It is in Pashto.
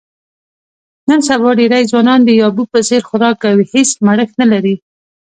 نن سبا ډېری ځوانان د یابو په څیر خوراک کوي، هېڅ مړښت نه لري.